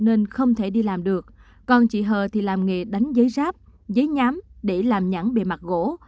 anh không thể đi làm được còn chị h thì làm nghề đánh giấy ráp giấy nhám để làm nhẵn bề mặt gỗ